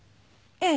ええ？